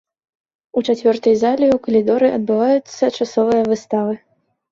У чацвёртай залі і ў калідоры адбываюцца часовыя выставы.